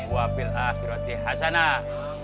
wa fil akhirati hasanah